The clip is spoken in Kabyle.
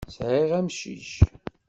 Sɛiɣ amcic.